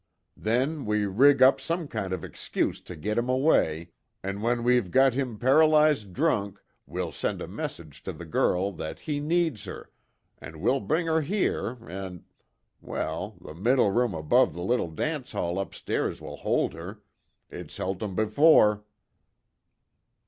Then we rig up some kind of excuse to git him away, an' when we've got him paralysed drunk, we'll send a message to the girl that he needs her, an' we'll bring her here an' well, the middle room above the little dance hall up stairs will hold her it's helt 'em before."